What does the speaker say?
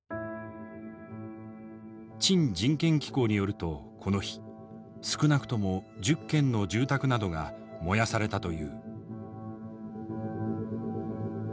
チン人権機構によるとこの日少なくとも１０軒の住宅などが燃やされたという。